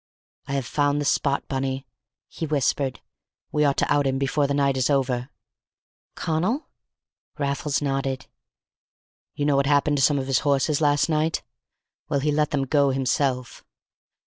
"I have found the spot, Bunny," he whispered; "we ought to out him before the night is over." "Connal?" Raffles nodded. "You know what happened to some of his horses last night? Well, he let them go himself."